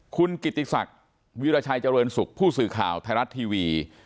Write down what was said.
คุณกิติศักดิ์วิราชัยเจริญสุขผู้สื่อข่าวไทยรัฐทีวี